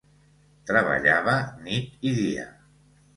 Treballava nit i dia.